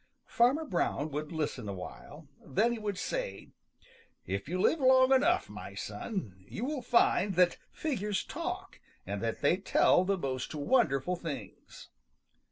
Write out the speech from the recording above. Farmer Brown would listen awhile, then he would say, "If you live long enough, my son, you will find that figures talk and that they tell the most wonderful things."